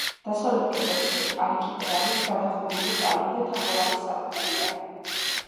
დასავლეთ კედელში არქიტრავით გადახურული კარი და თაღოვანი სარკმელია.